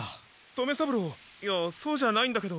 留三郎いやそうじゃないんだけど。